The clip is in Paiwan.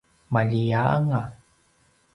maljia anga